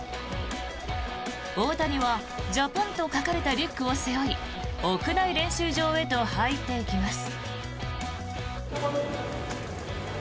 大谷は「ＪＡＰＡＮ」と書かれたリュックを背負い屋内練習場へと入っていきます。